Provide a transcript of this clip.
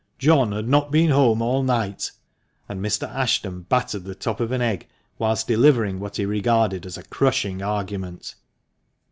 John had not been home all night." And Mr. Ashton battered the top of an egg whilst delivering what he regarded as a crushing argument.